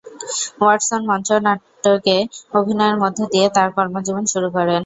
Watson মঞ্চনাটকে অভিনয়ের মধ্য দিয়ে তার কর্মজীবন শুরু করেন।